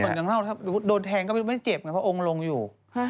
เหมือนกับเราถ้าโดนแทงก็ไม่เจ็บเพราะองค์ลงอยู่